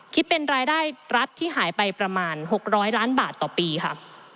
คิดเป็นรายได้รัฐที่หายไปประมาณ๖๐๐ล้านบาทต่อปีค่ะ